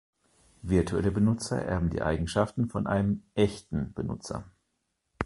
Virtuelle Benutzer erben die Eigenschaften von einem „echten“ Benutzer.